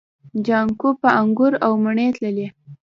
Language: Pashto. جانکو به انګور او مڼې تللې.